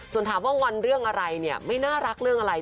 ส่วนถามว่างอนเรื่องอะไรเนี่ยไม่น่ารักเรื่องอะไร